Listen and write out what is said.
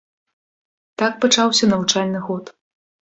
Так пачаўся навучальны год.